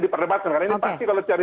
diperdebatan ini pasti kalau cari